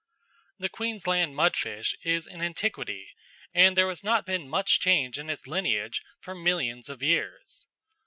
The Queensland mudfish is an antiquity, and there has not been much change in its lineage for millions of years.